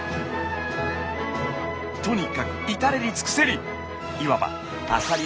とにかく至れり尽くせり。